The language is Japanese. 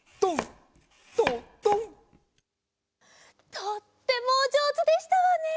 とってもおじょうずでしたわね！